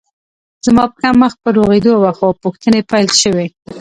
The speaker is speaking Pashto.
زما پښه مخ په روغېدو وه خو پوښتنې پیل شوې